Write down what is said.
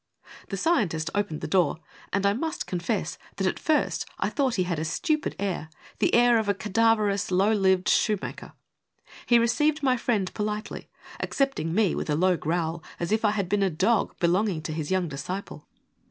The scientist opened the door, and I must confess that at first I thought he had a stupid air, the air of a cadav erous, low lived shoemaker. He received my friend politely, accepting me with a low growl as' if I had been a dog belonging to his young disciple.